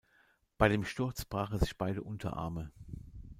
Bei dem Sturz brach er sich beide Unterarme.